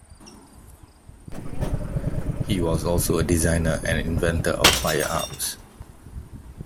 He was also a designer and inventor of firearms.